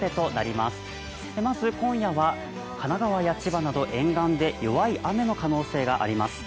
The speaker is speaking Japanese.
まず、今夜は神奈川や千葉など沿岸で弱い雨の可能性があります。